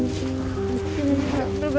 terima kasih mbak